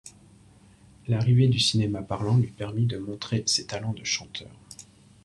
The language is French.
L'arrivée du cinéma parlant lui permit de montrer ses talents de chanteur.